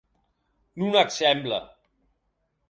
Non ac semble.